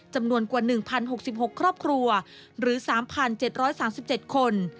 จำนวนกว่า๑๐๖๖ครอบครัวหรือ๓๗๓๗คน